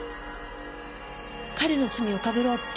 彼の罪をかぶろうって。